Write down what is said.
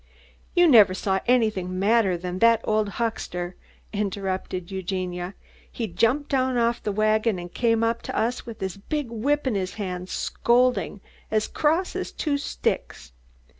"You never saw anything madder than that old huckster," interrupted Eugenia. "He jumped down off the wagon, and came up to us with a big whip in his hands, scolding, as cross as two sticks.